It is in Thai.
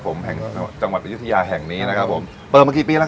ก็คือคุณพ่อของเฮียอีกพีนึง